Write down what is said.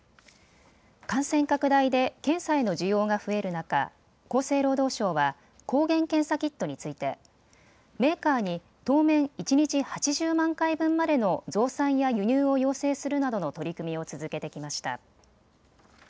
感染拡大で検査への需要が増える中、厚生労働省は抗原検査キットについてメーカーに当面、一日８０万回分までの増産や輸入を要請するなどの取り組みを続けてきました。